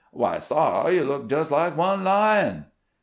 "Why, sar, you look just like one lion."